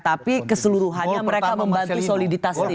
tapi keseluruhannya mereka membantu soliditas tim